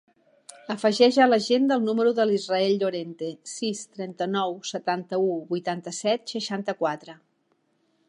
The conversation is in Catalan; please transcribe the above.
Afegeix a l'agenda el número de l'Israe Llorente: sis, trenta-nou, setanta-u, vuitanta-set, seixanta-quatre.